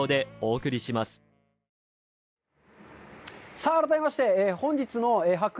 さあ改めまして、本日の「発掘！